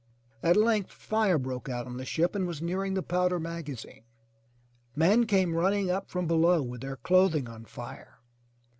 At length fire broke out on the ship, and was nearing the powder maga zine. Men came running up from below with their clothing on fire.